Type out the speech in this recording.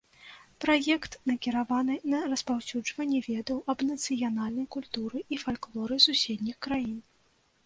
Праект накіраваны на распаўсюджванне ведаў аб нацыянальнай культуры і фальклоры суседніх краін.